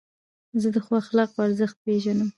زه د ښو اخلاقو ارزښت پېژنم.